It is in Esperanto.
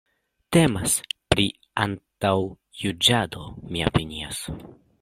Temas pri antaŭjuĝado, mi opinias.